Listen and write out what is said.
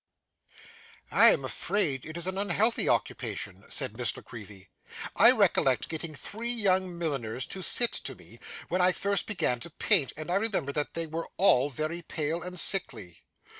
'I am afraid it is an unhealthy occupation,' said Miss La Creevy. 'I recollect getting three young milliners to sit to me, when I first began to paint, and I remember that they were all very pale and sickly.